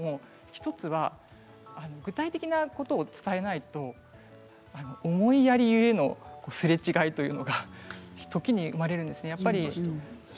１つは具体的なことを伝えないと思いやり故のすれ違いというのが時に生まれるんです。